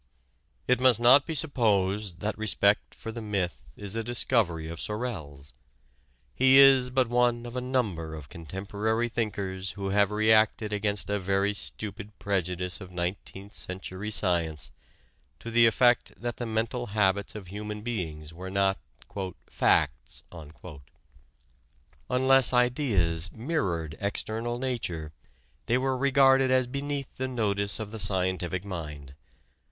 It must not be supposed that respect for the myth is a discovery of Sorel's. He is but one of a number of contemporary thinkers who have reacted against a very stupid prejudice of nineteenth century science to the effect that the mental habits of human beings were not "facts." Unless ideas mirrored external nature they were regarded as beneath the notice of the scientific mind.